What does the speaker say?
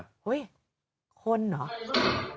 เฮ้ยคนเหรอ